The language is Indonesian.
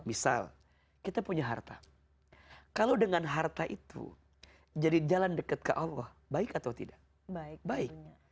misal kita punya harta kalau dengan harta itu jadi jalan dekat ke allah baik atau tidak baik baik